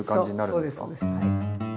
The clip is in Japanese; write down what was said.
そうですそうです。